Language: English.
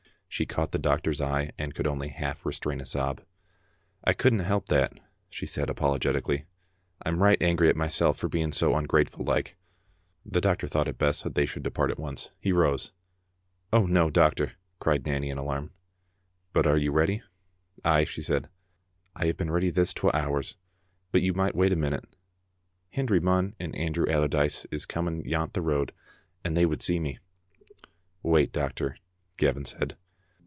" She caught the doctor's eye, and could only half restrain a sob. " I couldna help that," she said, apologetically. "I'm richt angry at myself for being so ungrateful like. " Digitized by VjOOQ IC xrraseoc or a And to^Bc. lis The doctor thought it best that they should depart at once. He rose. "Oh, no, doctor," cried Nanny in alarm. " But you are ready?" "Ay," she said, "I have been ready this twa hours, but you micht wait a minute. Hendry Munn and An drew Allardyce is coming yont the road, and they would see me." "Wait, doctor," Gavin said.